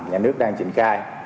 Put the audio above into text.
nhà nước đang triển khai